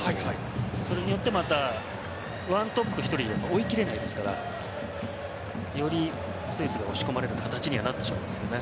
それによってまた１トップ１人だと追いきれないですからよりスイスが押し込まれる形になってしまうんですよね。